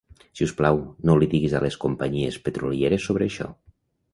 Si us plau, no li diguis a les companyies petrolieres sobre això.